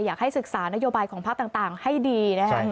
อยากให้ศึกษานโยบายของพักต่างให้ดีนะคะ